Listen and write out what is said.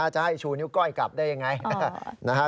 จะให้ชูนิ้วก้อยกลับได้ยังไง